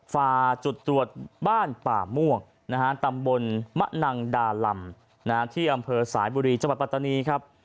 ฝาจุดตรวจบ้านป่าม่วงนะฮะตำบลมะนังดาลำนะฮะที่อำเผอสายบุรีชมัตตาปัตตานีครับ